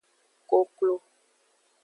Koklo.